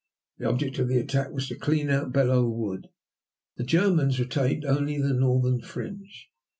The object of the attack was to clean out Belleau Wood. The Germans retained only the northern fringe.